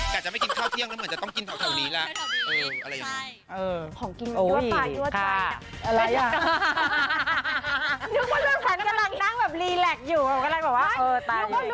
แกะจะมั้ยกินข้าวเที่ยงแล้วมันเหมือนจะต้องกินเท่าตรีละ